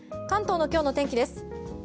関東の今日の天気です。